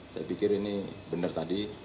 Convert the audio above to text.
saya pikir ini benar tadi